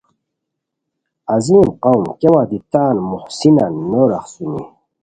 عظیم قوم کیا وخت دی تان محسنانان نو راخڅونی